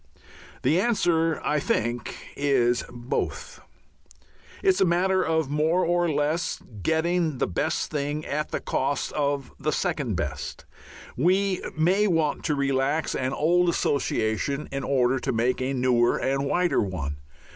The answer, I think, is "Both." It is a matter of more or less, of getting the best thing at the cost of the second best. We may want to relax an old association in order to make a newer and wider one.